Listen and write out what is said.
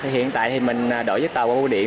hiện tại mình đổi giấy tàu qua bu điện